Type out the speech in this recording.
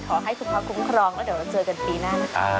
ขาดสะเก้นมาเจอกันใหม่นะ